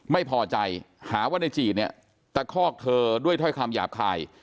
ไม่พอใจหาว่าในจีดเนี่ยตะคอกเธอด้วยถ้อยคำหยาบคาย